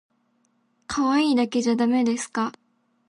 かわいいだけじゃだめですか？